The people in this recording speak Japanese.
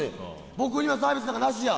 僕にはサービスなんかなしや。